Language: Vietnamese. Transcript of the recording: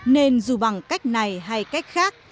nên dù bằng cách này hay cách khác